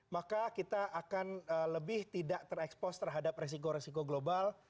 maka kita akan lebih tidak terekspos terhadap resiko resiko global